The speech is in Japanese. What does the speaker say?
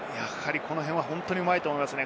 この辺は本当にうまいと思います。